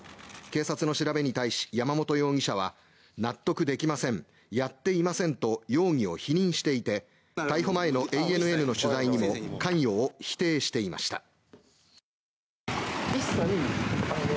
警察の調べに対し山本容疑者は納得できませんやっていませんと容疑を否認していて逮捕前のＡＮＮの取材にも関与を否定していました。